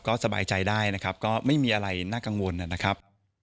ก็สบายใจได้นะครับก็ไม่มีอะไรน่ากังวลนะครับ